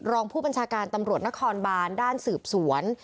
รองผู้บัญชาการตำรวจนครบานด้านสืบสวน